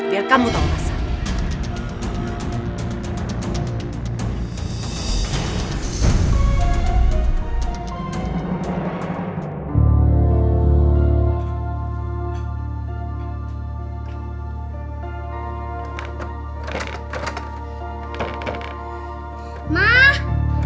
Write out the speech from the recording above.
biar kamu tau masalah